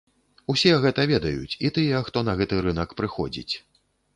Усе гэта ведаюць, і тыя, хто на гэты рынак прыходзіць.